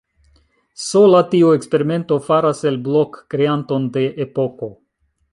Sola tiu eksperimento faras el Blok kreanton de epoko.